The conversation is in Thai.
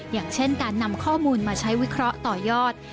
อย่างเช่นการนำข้อมูลมาใช้วิเคราะห์ต่อยอด